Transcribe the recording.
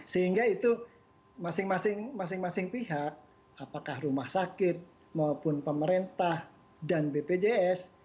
sehingga itu masing masing pihak apakah rumah sakit maupun pemerintah dan bpjs